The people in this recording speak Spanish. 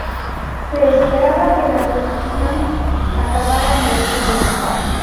Se esperaba que la producción acabara en octubre.